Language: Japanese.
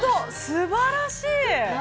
すばらしい。